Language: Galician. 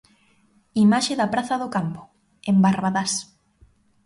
Imaxe da praza do Campo, en Barbadás.